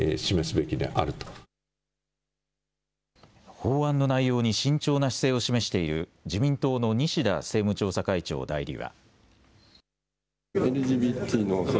法案の内容に慎重な姿勢を示している自民党の西田政務調査会長代理は。